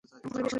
তোমার বিষয় না?